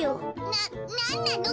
ななんなの！？